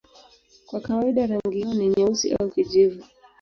Kwa kawaida rangi yao ni nyeusi au kijivu.